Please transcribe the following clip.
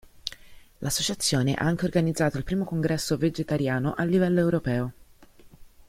L'associazione ha anche organizzato il primo congresso vegetariano a livello europeo.